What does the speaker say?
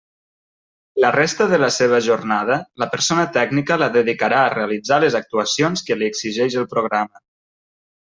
La resta de la seva jornada, la persona tècnica la dedicarà a realitzar les actuacions que li exigeix el programa.